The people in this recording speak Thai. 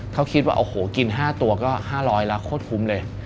เขาคิดว่าโอ้โหกิน๕ตัวก็๕๐๐แล้วโคตรคุ้มเลย